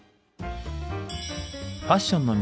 ファッションの都